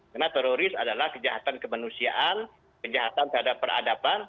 karena teroris adalah kejahatan kemanusiaan kejahatan terhadap peradaban